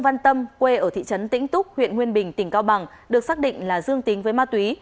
văn tâm quê ở thị trấn tĩnh túc huyện nguyên bình tỉnh cao bằng được xác định là dương tính với ma túy